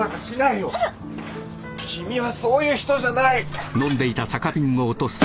君はそういう人じゃない。